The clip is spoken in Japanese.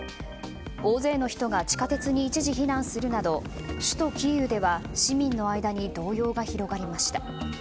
大勢の人が地下鉄に一時避難するなど首都キーウでは市民の間に動揺が広がりました。